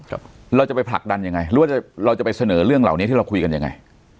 เราจะไปผลักดันยังไงหรือว่าจะเราจะไปเสนอเรื่องเหล่านี้ที่เราคุยกันยังไง